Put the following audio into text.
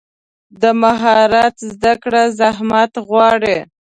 د مهارت زده کړه زحمت غواړي.